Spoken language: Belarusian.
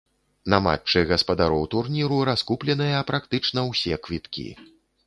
На матчы гаспадароў турніру раскупленыя практычна ўсе квіткі.